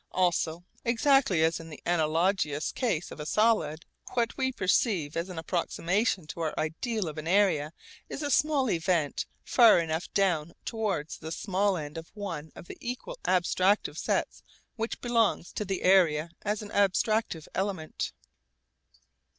Also, exactly as in the analogous case of a solid, what we perceive as an approximation to our ideal of an area is a small event far enough down towards the small end of one of the equal abstractive sets which belongs to the area as an abstractive element.